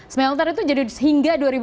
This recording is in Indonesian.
smelter itu jadi sehingga dua ribu dua puluh dua